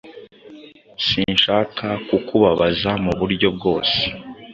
Sinshaka kukubabaza mu buryo bwose